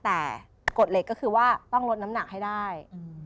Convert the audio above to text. แต่กฎเหล็กก็คือว่าต้องลดน้ำหนักให้ได้